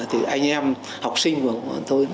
thì anh em học sinh của tôi